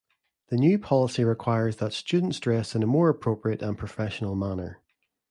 The new policy requires that students dress in a more appropriate and professional manner.